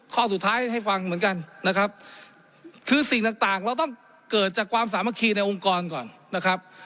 ข้อสุดท้ายให้ฟังเหมือนกันนะครับคือสิ่งต่างเราต้องเกิดจากความสามัคคีในองค์กรก่อนนะครับ